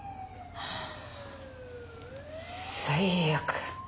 最悪。